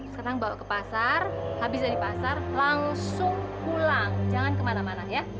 kalau ke pasar langsung pulang jangan kemana mana ya